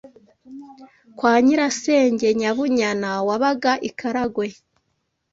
kwa Nyirasenge Nyabunyana wabaga i Karagwe